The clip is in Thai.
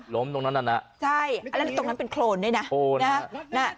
ล้มตรงนั้นน่ะนะใช่แล้วตรงนั้นเป็นโคนด้วยนะโคน